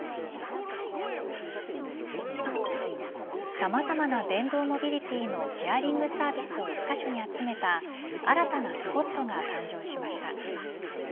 さまざまな電動モビリティのシェアリングサービスを１カ所に集めた新たなスポットが誕生しました。